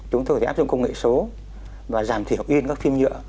chúng tôi sẽ áp dụng công nghệ số và giảm thiểu yên các phim nhựa